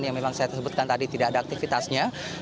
yang memang saya sebutkan tadi tidak ada aktivitasnya